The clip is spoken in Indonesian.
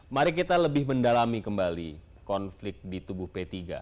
mari kita lebih mendalami kembali konflik di tubuh p tiga